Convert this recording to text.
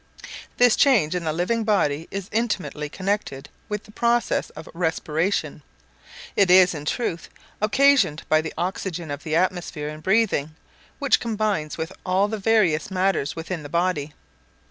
This change in the living body is intimately connected with the process of respiration; it is, in truth, occasioned by the oxygen of the atmosphere in breathing, which combines with all the various matters within the body.